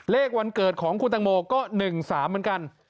วันเกิดของคุณตังโมก็๑๓เหมือนกัน